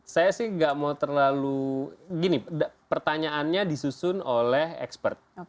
saya sih gak mau terlalu gini pertanyaannya disusun oleh expert